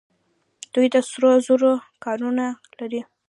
دوی د سرو زرو کانونه لري.